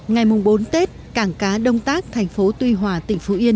ngày bốn tết cảng cá đông tác thành phố tuy hòa tỉnh phú yên